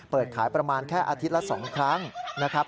เปิดขายประมาณแค่อาทิตย์ละ๒ครั้งนะครับ